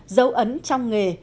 dấu ấn trong nghề